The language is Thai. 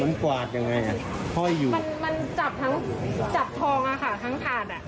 มันกวาดยังไงอ่ะห้อยอยู่มันมันจับทั้งจับทองอ่ะค่ะทั้งถาดอ่ะ